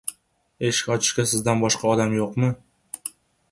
— Eshik ochishga sizdan boshqa odam yo‘qmi?